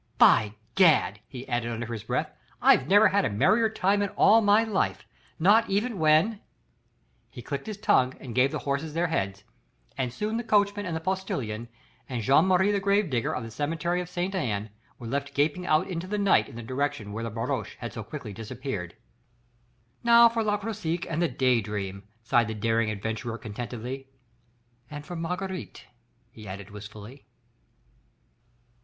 By Gad!" he added under his breath, "I've never had a merrier time in all my life not even when...." He clicked his tongue and gave the horses their heads and soon the coachman and the postilion and Jean Marie the gravedigger of the cemetery of Ste. Anne were left gaping out into the night in the direction where the barouche had so quickly disappeared. "Now for Le Croisic and the Day Dream," sighed the daring adventurer contentedly, "... and for Marguerite!" he added wistfully.